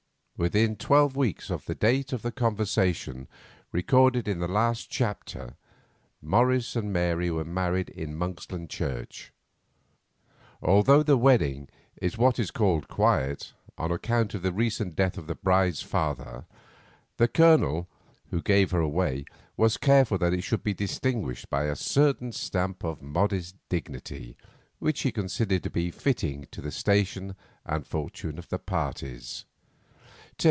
Within twelve weeks of the date of the conversation recorded in the last chapter Morris and Mary were married in Monksland church. Although the wedding was what is called "quiet" on account of the recent death of the bride's father, the Colonel, who gave her away, was careful that it should be distinguished by a certain stamp of modest dignity, which he considered to be fitting to the station and fortune of the parties.